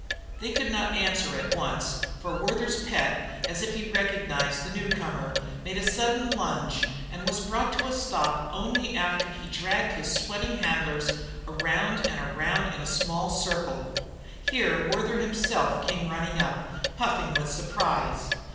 They could not answer at once, for Werther's "pet," as if he recognized the newcomer, made a sudden lunge and was brought to a stop only after he had dragged his sweating handlers around and around in a small circle. Here Werther himself came running up, puffing with surprise.